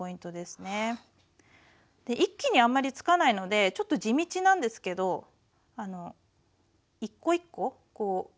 一気にあんまりつかないのでちょっと地道なんですけど一個一個埋めていくような感じでつけていきましょう。